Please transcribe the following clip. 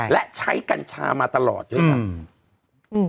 และใช้กัญชามาตลอดด้วยครับ